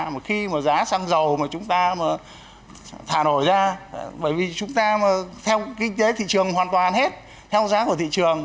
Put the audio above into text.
mà khi mà giá xăng dầu mà chúng ta mà thả nổi ra bởi vì chúng ta mà theo kinh tế thị trường hoàn toàn hết theo giá của thị trường